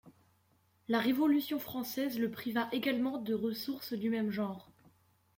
La Révolution française le priva également de ressources du même genre.